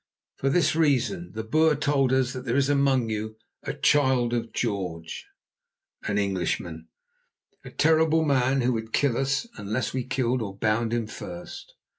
"For this reason. The Boer told us that there is among you a 'child of George'" (an Englishman), "a terrible man who would kill us unless we killed or bound him first.